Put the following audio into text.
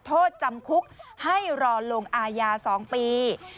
โทษจำคุกให้รอลงอาญา๒ปี